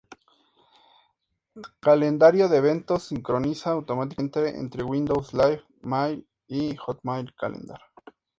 Calendario de eventos sincroniza automáticamente entre Windows Live Mail y Hotmail Calendar.